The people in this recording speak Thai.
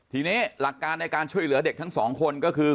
ทีนี้หลักการในการช่วยเหลือเด็กทั้งสองคนก็คือ